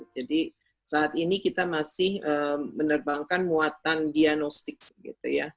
jadi saat ini kita masih menerbangkan muatan diagnostik gitu ya